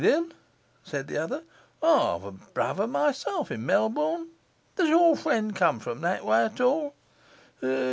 said another. 'I've a brother myself in Melbourne. Does your friend come from that way at all?